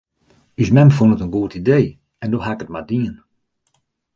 Us mem fûn it in goed idee en doe haw ik it mar dien.